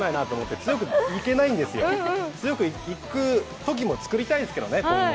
強くいくときも今後作りたいんですけどね。